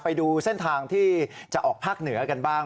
ไปดูเส้นทางที่จะออกภาคเหนือกันบ้าง